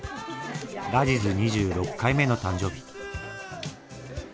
ラジズ２６回目の誕生日。